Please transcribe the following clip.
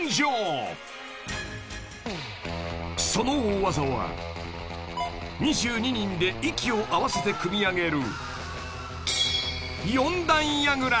［その大技は２２人で息を合わせて組み上げる］